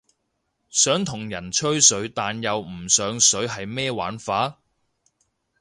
想同人吹水但又唔上水係咩玩法？